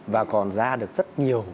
và còn ra được rất nhiều